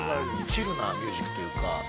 チルなミュージックというか。